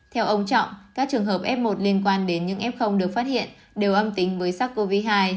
theo ông trọng các trường hợp f một liên quan đến những f được phát hiện đều âm tính với sars cov hai